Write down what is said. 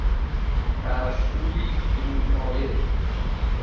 ترسویی فرومایه